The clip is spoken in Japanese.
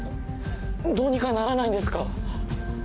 どうにかならないんですか？